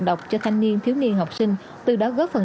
độc cho thanh niên thiếu niên học sinh từ đó góp phần